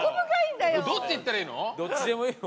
どっち行ったらいいの？